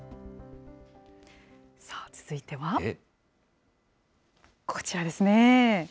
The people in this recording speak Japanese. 続いては、こちらですね。